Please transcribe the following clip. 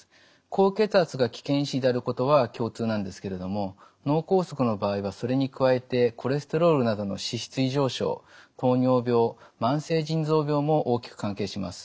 高血圧が危険因子であることは共通なんですけれども脳梗塞の場合はそれに加えてコレステロールなどの脂質異常症糖尿病慢性腎臓病も大きく関係します。